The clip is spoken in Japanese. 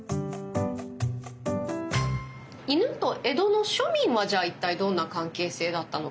犬と江戸の庶民はじゃあ一体どんな関係性だったのか。